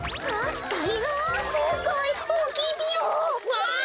わあ！